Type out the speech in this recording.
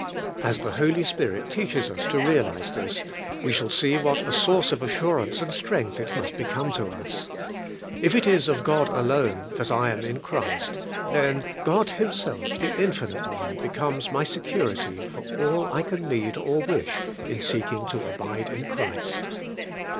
As the Holy Spirit teaches us to realize this, we shall see what a source of assurance and strength it must become to 52 ABIDE IN CHRIST US. If it is of God alone that I am in Christ, then God Himself, the Infinite One, becomes my security for all I can need or wish in seeking to abide in Christ.